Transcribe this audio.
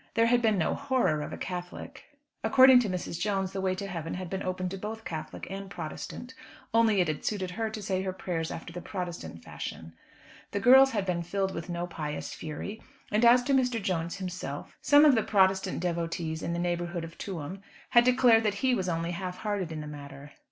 There had been no horror of a Catholic. According to Mrs. Jones the way to heaven had been open to both Catholic and Protestant, only it had suited her to say her prayers after the Protestant fashion. The girls had been filled with no pious fury; and as to Mr. Jones himself, some of the Protestant devotees in the neighbourhood of Tuam had declared that he was only half hearted in the matter.